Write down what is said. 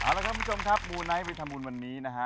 เอาละครับคุณผู้ชมครับมูไนท์ไปทำบุญวันนี้นะฮะ